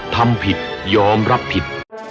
ทำผิดยอมรับผิด